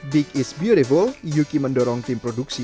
big is beautiful yuki mendorong tim produksi